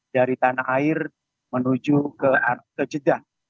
dari tanah air menuju ke jeddah